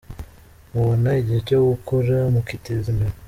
Mubona igihe cyo gukora mukiteza imbere.